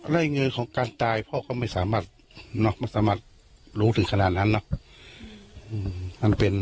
รายงานของการตายพ่อก็ไม่สามารถรู้ถึงขนาดนั้นเนาะ